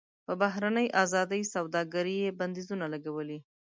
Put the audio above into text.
پر بهرنۍ ازادې سوداګرۍ یې بندیزونه لګولي.